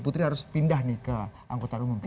putri harus pindah nih ke angkutan umum